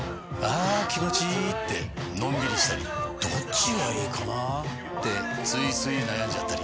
あ気持ちいいってのんびりしたりどっちがいいかなってついつい悩んじゃったり。